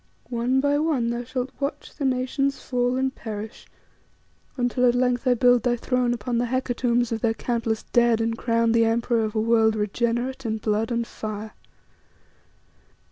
One by one thou shalt watch the nations fall and perish, until at length I build thy throne upon the hecatombs of their countless dead and crown thee emperor of a world regenerate in blood and fire."